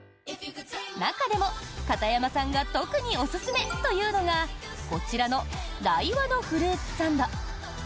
中でも、片山さんが特におすすめというのがこちらのダイワのフルーツサンド。